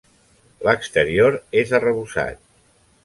L'exterior és arrebossat.